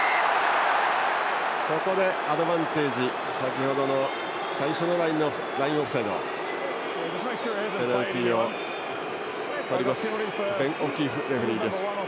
ここでアドバンテージ最初のラインオフサイドのペナルティーをとりますベン・オキーフレフリー。